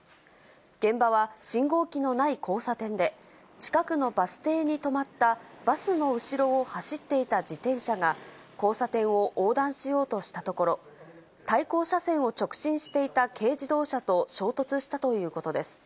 現場は信号機のない交差点で、近くのバス停に止まった、バスの後ろを走っていた自転車が、交差点を横断しようとしたところ、対向車線を直進していた軽自動車と衝突したということです。